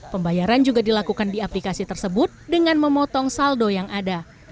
pembayaran juga dilakukan di aplikasi tersebut dengan memotong saldo yang ada